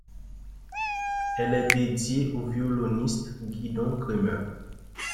Elle est dédiée au violoniste Gidon Kremer.